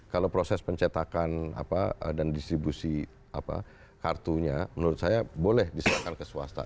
kalau proses pencetakan dan distribusi kartunya menurut saya boleh diserahkan ke swasta